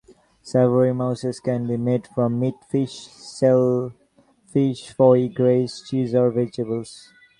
Savory mousses can be made from meat, fish, shellfish, foie gras, cheese or vegetables.